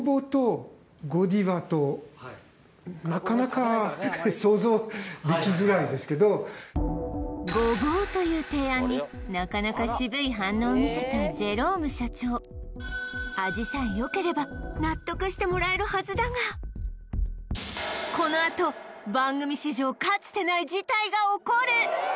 はいはいはいはいごぼうという提案になかなか渋い反応を見せたジェローム社長納得してもらえるはずだがこのあと番組史上かつてない事態が起こる！